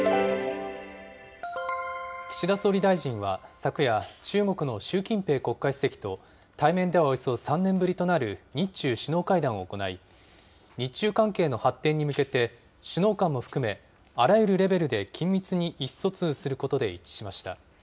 岸田総理大臣は昨夜、中国の習近平国家主席と、対面ではおよそ３年ぶりとなる日中首脳会談を行い、日中関係の発展に向けて、首脳間も含め、あらゆるレベルで緊密に意思疎通することで一致しました。